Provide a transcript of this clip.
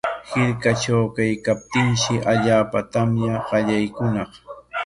Hirkatraw kaykaptinshi allaapa tamya qallaykuñaq.